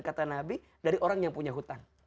kata nabi dari orang yang punya hutang